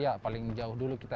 ya paling jauh dulu kita